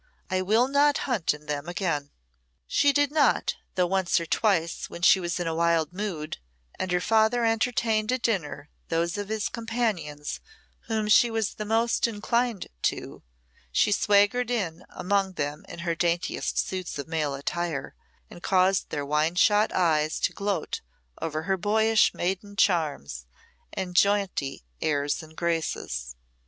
I will not hunt in them again." She did not, though once or twice when she was in a wild mood, and her father entertained at dinner those of his companions whom she was the most inclined to, she swaggered in among them in her daintiest suits of male attire, and caused their wine shot eyes to gloat over her boyish maiden charms and jaunty airs and graces.